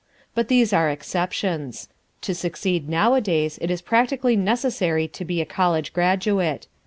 But these are exceptions. To succeed nowadays it is practically necessary to be a college graduate.